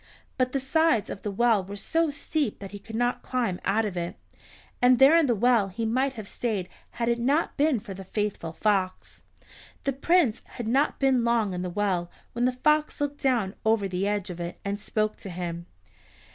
But the sides of the well were so steep that he could not climb out of it, and there in the well he might have stayed had it not been for the faithful fox. The Prince had not been long in the well when the fox looked down over the edge of it and spoke to him.